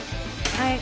はい。